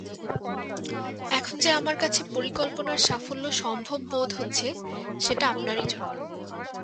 এখন যে আমার কাছে পরিকল্পনার সাফল্য সম্ভব বোধ হচ্ছে, সেটা আপনারই জন্য।